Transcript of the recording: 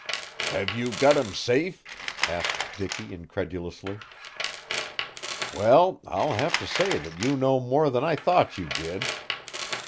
"Have you got him safe?" asked Dicky incredulously. "Well, I'll have to say that you know more than I thought you did."